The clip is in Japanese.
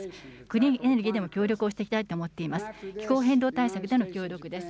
クリーンエネルギーでも協力をしていきたいと思っています。